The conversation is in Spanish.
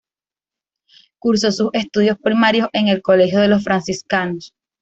Cursó sus estudios primarios en el colegio de los franciscanos.